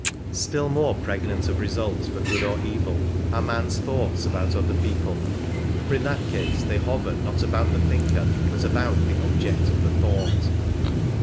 Still more pregnant of result for good or evil are a man's thoughts about other people, for in that case they hover not about the thinker, but about the object of the thought.